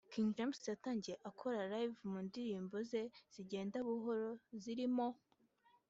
King James yatangiye akora live mu ndirimbo ze zigenda buhoro zirimo